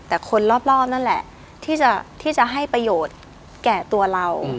แต่คนรอบนั่นแหละที่จะให้ประโยชน์แก่ตัวเรา